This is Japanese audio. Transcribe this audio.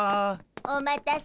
お待たせ。